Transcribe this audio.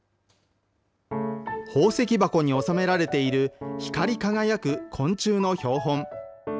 宝石箱に収められている光り輝く昆虫の標本。